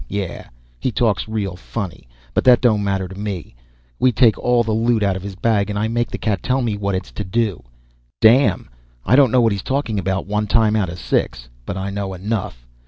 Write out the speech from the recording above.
Yeah, he talks real funny, but that don't matter to me. We take all the loot out of his bag, and I make this cat tell me what it's to do. Damn, I don't know what he's talking about one time out of six, but I know enough.